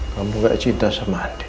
kamu gak cinta sama adik